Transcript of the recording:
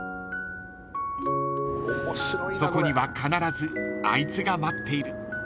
［そこには必ずあいつが待っている］